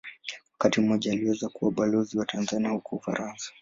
Wakati mmoja aliweza kuwa Balozi wa Tanzania huko Ufaransa.